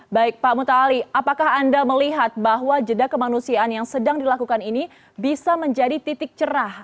baik pak mutali apakah anda melihat bahwa jeda kemanusiaan yang sedang dilakukan ini bisa menjadi titik cerah